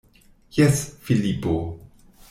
Jes, Filipo.